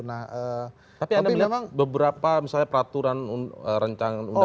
tapi anda melihat beberapa misalnya peraturan rencana undang undang yang direaksi